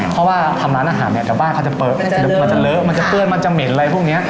เพราะว่าทำร้านอาหารเนี่ยแต่บ้านเขาจะเป๊ะมันจะเลอะมันจะเปื้อนมันจะเหม็นอะไรพวกนี้